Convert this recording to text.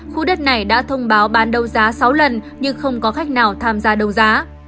khu đất này đã thông báo bán đấu giá sáu lần nhưng không có khách nào tham gia đấu giá